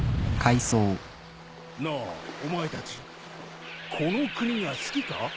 なあお前たちこの国が好きか？